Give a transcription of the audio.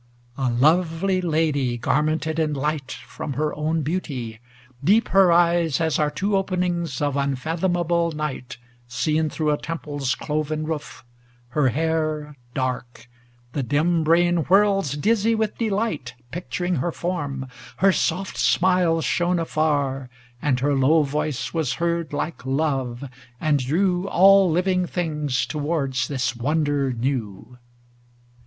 A lovely lady garmented in light From her own beauty; deep her eyes as are Two openings of unfathomable night Seen through a temple's cloven roof; her hair Dark; the dim brain whirls dizzy with de light, Picturing her form ; her soft smiles shone afar, And her low voice was heard like love, and drew All living things towards this wonder new.